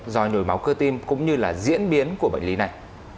do nhồi máu cơ tim cũng như là diễn biến của bệnh lý này